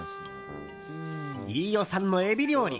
飯尾さんのエビ料理。